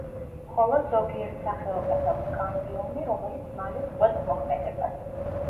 მხოლოდ ზოგიერთ სახეობას აქვს კამბიუმი, რომელიც მალე წყვეტს მოქმედებას.